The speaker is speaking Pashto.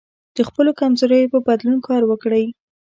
د خپلو کمزوریو په بدلون کار وکړئ.